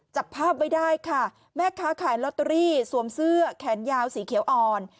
จับภาพไว้ได้ค่ะแม่ค้าขายลอตเตอรี่สวมเสื้อแขนยาวสีเขียวอ่อน